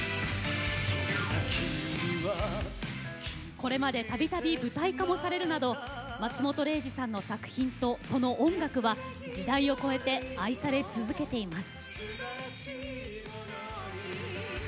これまでたびたび舞台化もされるなど松本零士さんの作品とその音楽は時代を超えて愛され続けています。